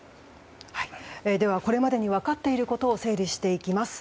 これまでに分かっていることを整理していきます。